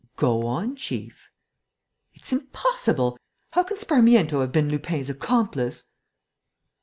"Go on, chief." "It's impossible! How can Sparmiento have been Lupin's accomplice?"